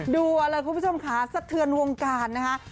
ดูเอาเลยคุณผู้ชมค่ะสะเทือนวงการนะคะ